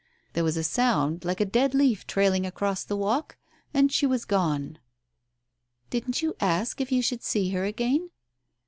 There was a sound like a dead leaf trailing across the walk and she was gone." "Didn't you ask if you should see her again